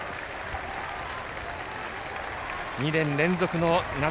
２年連続の夏